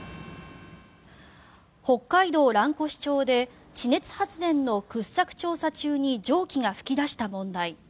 北海道蘭越町で地熱発電の掘削調査中に蒸気が噴き出した問題。